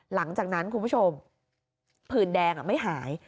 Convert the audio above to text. หลังจากนั้นคุณผู้ชมผื่นแดงไม่หาย